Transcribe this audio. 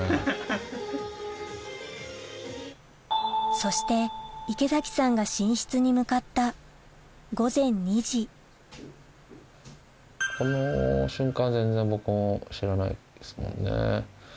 そして池崎さんが寝室に向かったこの瞬間は全然僕も知らないですもんね。